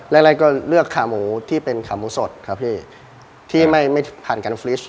แรกก็เลือกขาหมูที่เป็นขาหมูสดครับพี่ที่ไม่ไม่ผ่านการฟริช